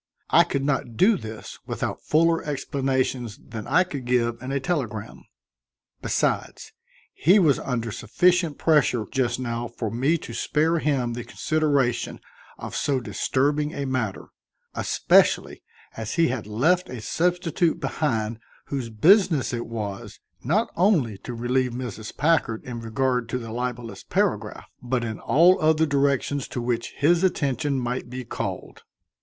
I could not do this without fuller explanations than I could give in a telegram. Besides, he was under sufficient pressure just now for me to spare him the consideration of so disturbing a matter, especially as he had left a substitute behind whose business it was, not only to relieve Mrs. Packard in regard to the libelous paragraph, but in all other directions to which his attention might be called.